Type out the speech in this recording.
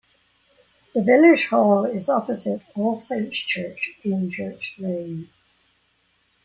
The Village Hall is opposite All Saints Church in Church Lane.